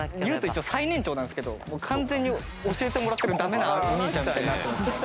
一応最年長なんですけど完全に教えてもらってるダメなお兄ちゃんみたいになってますね。